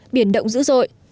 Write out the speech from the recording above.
biển động dữ dội